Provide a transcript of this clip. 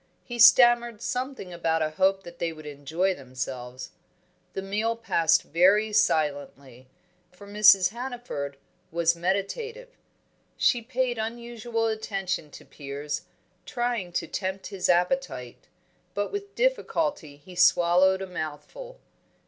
He stammered something about a hope that they would enjoy themselves. The meal passed very silently, for Mrs. Hannaford was meditative. She paid unusual attention to Piers, trying to tempt his appetite; but with difficulty he swallowed a mouthful.